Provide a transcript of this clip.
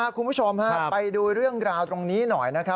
คุณผู้ชมไปดูเรื่องราวตรงนี้หน่อยนะครับ